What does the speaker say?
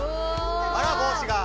あら帽子が。